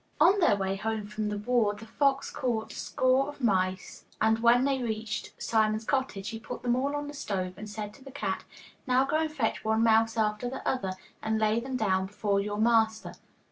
On their way home from the war the fox caught score of mice, and when they reached Simon's cottage he put them all on the stove and said to the cat, 'Now go and fetch one mouse after the other, and lay them down before your master.